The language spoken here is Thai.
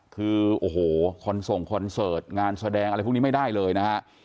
คือโอ้โหคอนส่งคอนเสิร์ตงานแสดงอะไรพวกนี้ไม่ได้เลยนะฮะ